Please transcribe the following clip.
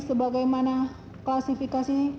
sebagai mana klasifikasi